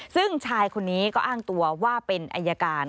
ซึ่งชายคนนี้ก็อ้างตัวว่าเป็นอายการ